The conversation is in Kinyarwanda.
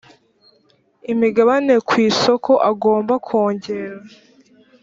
imigabane ku isoko agomba kongera